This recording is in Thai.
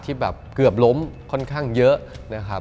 ที่เกือบล้มค่อนข้างเยอะ